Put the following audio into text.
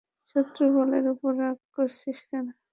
শত্রুর বলের উপর রাগ করছি কেন?